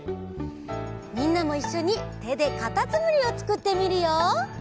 みんなもいっしょにてでかたつむりをつくってみるよ。